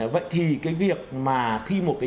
vậy thì cái việc mà khi một cái